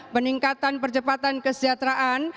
peningkatan percepatan kesejahteraan